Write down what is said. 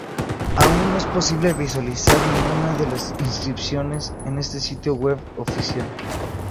Aún no es posible visualizar ninguna de las inscripciones en el sitio web oficial.